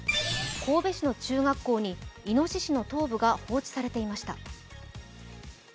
神戸市の中学校にいのししの頭部が放置されていました。